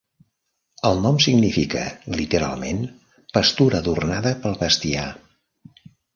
El nom significa, literalment, pastura adornada pel bestiar.